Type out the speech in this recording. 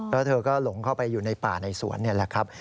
แล้วเธอก็หลงเข้าไปอยู่ในป่าในสวนนี่แหละครับ